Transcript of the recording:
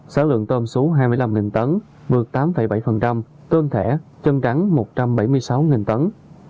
số lượng tôm số hai mươi năm tấn vượt tám bảy tôn thẻ chân trắng một trăm bảy mươi sáu tấn